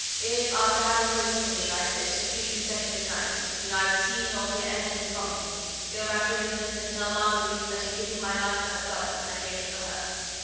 If after having waited for me like this for three consecutive nights you neither see nor hear anything from me, go back to England and tell Marguerite that in giving my life for her brother I gave it for her!"